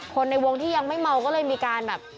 ในวงที่ยังไม่เมาก็เลยมีการแบบ